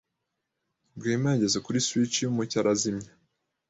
Rwema yageze kuri switch yumucyo arazimya.